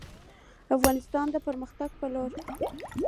افغانستان د پرمختګ په لور